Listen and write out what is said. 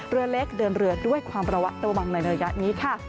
เรือเล็กเดินเรือด้วยความระวัดระวังในระยะนี้ค่ะ